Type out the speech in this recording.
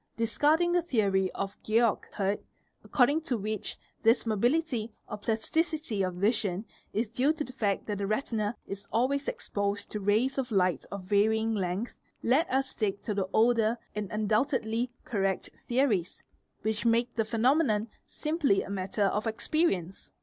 Se ¢ is arding the theory of Georg Hirt, according to which this mobility or ty of vision is due to the fact that the retina is always exposed ) rays of light of varying length, let us stick to the older and undoubt dl correct theories, which make the phenomenon simply a matter of Xperience.